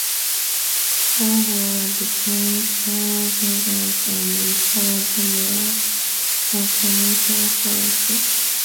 Coehoorn became lieutenant-general and inspector-general of the Netherlands fortresses.